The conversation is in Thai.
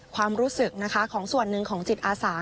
ความรู้สึกนะคะของส่วนหนึ่งของจิตอาสา